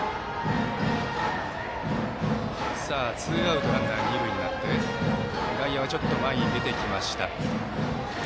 ツーアウトランナー、二塁になって外野はちょっと前に出てきました。